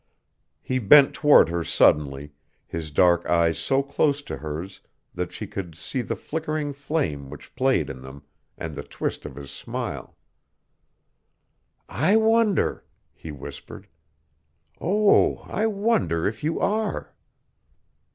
He bent toward her suddenly, his dark eyes so close to hers that she could see the flickering flame which played in them, and the twist of his smile. "I wonder!" he whispered. "Oh I wonder if you are...."